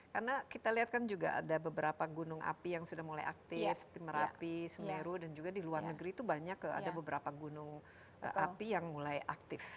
karena kita lihat kan juga ada beberapa gunung api yang sudah mulai aktif seperti merapi semeru dan juga di luar negeri itu banyak ada beberapa gunung api yang mulai aktif